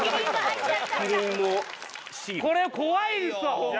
これ怖いですわホンマ。